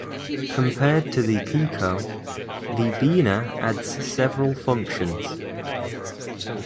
Compared to the Pico, the Beena adds several functions.